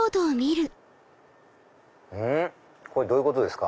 うん？どういうことですか？